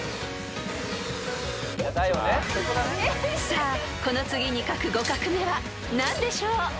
［さあこの次に書く５画目は何でしょう］